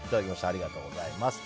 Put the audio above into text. ありがとうございます。